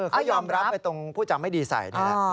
ก็ยอมรับไปตรงพูดจางไม่ดีใส